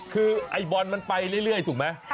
คือไอ้บอลมันไปเรื่อยถูกไหม